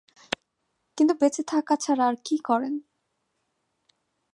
কিন্তু বেঁচে থাকা ছাড়া আর কী করেন?